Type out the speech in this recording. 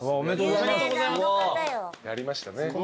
やりましたね。